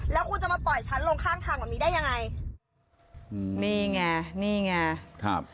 แล้วคุณจะมาปล่อยฉันลงข้างทางแบบนี้ได้ยังไงอืมนี่ไงนี่ไงครับ